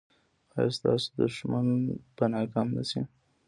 ایا ستاسو دښمن به ناکام نه شي؟